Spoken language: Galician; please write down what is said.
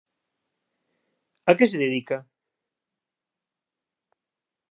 A que se dedica?